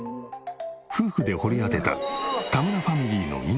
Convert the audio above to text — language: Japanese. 夫婦で掘り当てた田村ファミリーの命の水。